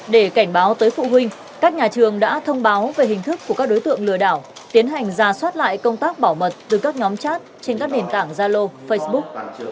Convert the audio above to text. để cảnh báo tới phụ huynh các nhà trường đã thông báo về hình thức của các đối tượng lừa đảo tiến hành ra soát lại công tác bảo mật từ các nhóm chat trên các nền tảng zalo facebook